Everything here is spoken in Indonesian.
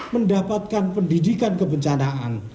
mendapatkan pendidikan kebencanaan